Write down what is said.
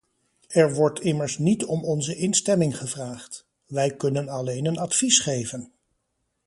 Er wordt immers niet om onze instemming gevraagd, wij kunnen alleen een advies geven.